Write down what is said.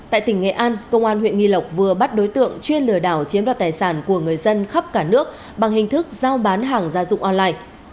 tại tỉnh nghệ an công an huyện nghi lộc vừa bắt đối tượng chuyên lừa đảo chiếm đoạt tài sản của người dân khắp cả nước bằng hình thức giao bán hàng gia dụng online